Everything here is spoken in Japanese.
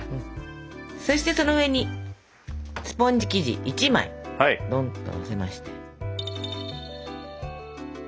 そしてその上にスポンジ生地１枚ボンとのせまして。